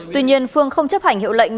tuy nhiên phương không chấp hành hiệu lệnh